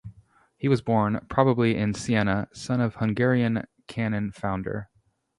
He was born, probably in Siena, son of a Hungarian cannon-founder.